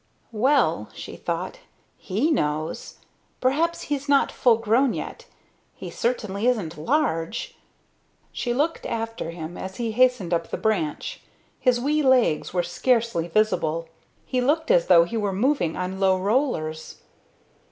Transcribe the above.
"Well," she thought, "he knows. Perhaps he's not full grown yet; he certainly isn't large." She looked after him, as he hastened up the branch. His wee legs were scarcely visible; he looked as though he were moving on low rollers.